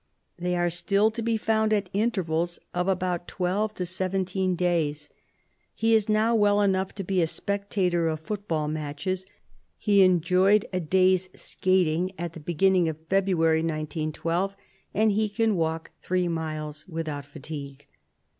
They are still to be found at intervals of about twelve to seventeen days. He is now well enough to be a spectator of football matches, he enjoyed a day's skating at the beginning of February, 1912, and he can walk three miles without fatigue.